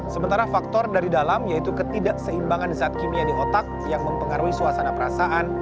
sementara faktor dari dalam yaitu ketidakseimbangan zat kimia di otak yang mempengaruhi suasana perasaan